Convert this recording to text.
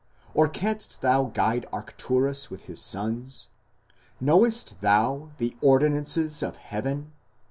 or canst thou guide Arcturus with his sons? Knowest thou the ordinances of heaven?